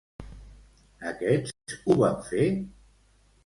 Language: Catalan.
Aquests ho van fer?